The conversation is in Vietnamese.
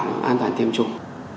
có thể đảm bảo an toàn tiêm chủng